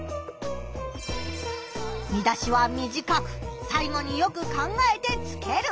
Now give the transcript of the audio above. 見出しは短く最後によく考えてつける。